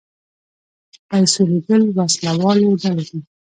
پیسو لېږل وسله والو ډلو ته.